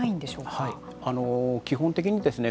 基本的にですね